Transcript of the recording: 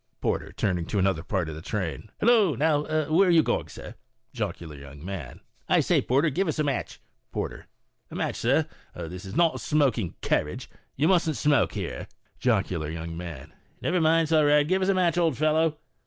Porter (turning to another part of the train). u Hillo I Now, then, are you going, sir ?" Jocular Young Man. "I say, porter, give us a match." Porter. "A match, sir; this is not a smoking carriage. You mustn't smoke here." Jocular Young Man. "Never mind, it's all right; give us a match, old fellow."